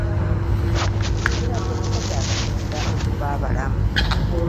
Kibadde kisa kya Katonda okuba abalamu.